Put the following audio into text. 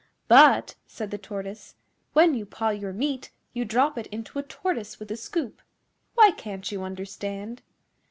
'But,' said the Tortoise, 'when you paw your meat you drop it into a Tortoise with a scoop. Why can't you understand?